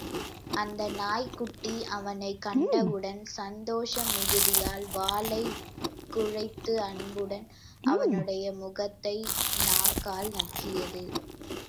அந்த நாய்க் குட்டி அவனைக் கண்டவுடன் சந்தோஷ மிகுதியால் வாலைக் குழைத்தது அன்புடன் அவனுடைய முகத்தை நாக்கால் நக்கியது.